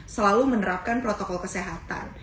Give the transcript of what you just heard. selalu menerapkan protokol kesehatan sama sama